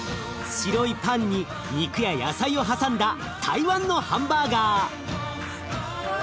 白いパンに肉や野菜を挟んだ台湾のハンバーガー。